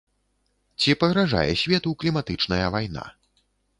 Ці пагражае свету кліматычная вайна?